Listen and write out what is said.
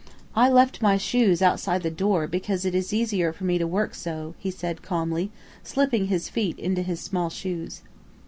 "I left my shoes outside the door because it is easier for me to work so," he said calmly, slipping his feet into his small shoes.